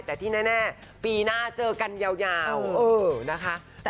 แต่ที่แน่ปีหน้าเจอกันยาวนะคะ